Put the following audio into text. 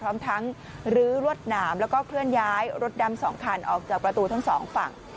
พร้อมทั้งลื้อรวดหนามแล้วก็เคลื่อนย้ายรถดำ๒คันออกจากประตูทั้งสองฝั่ง